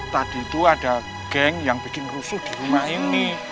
tadi itu ada geng yang bikin rusuh di rumah ini